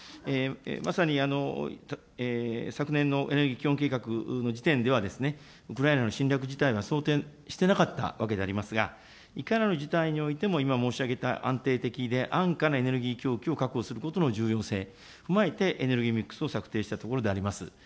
まさに昨年のエネルギー基本計画の時点では、ウクライナの侵略自体が想定していなかったわけでありますが、いかなる事態においても、今申し上げた安定的で安価なエネルギー供給を確保することの重要性、踏まえてエネルギーミックスを策定したところであります。